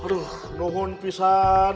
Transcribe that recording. aduh nuhun pisang